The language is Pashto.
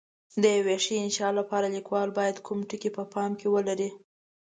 د یوې ښې انشأ لپاره لیکوال باید کوم ټکي په پام کې ولري؟